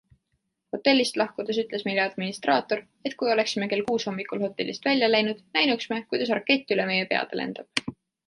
Hotellist lahkudes ütles meile administraator, et kui oleksime kell kuus hommikul hotellist välja läinud, näinuks me, kuidas rakett üle meie peade lendab.